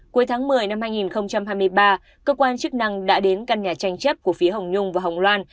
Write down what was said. cuối tháng một mươi năm hai nghìn hai mươi ba cơ quan chức năng đã đến căn nhà tranh chấp của phía hồng nhung và hồng loan